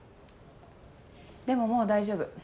でももう大丈夫。